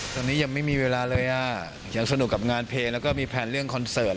ตอนนี้ยังไม่มีเวลาเลยอ่ะยังสนุกกับงานเพลงแล้วก็มีแพลนเรื่องคอนเสิร์ต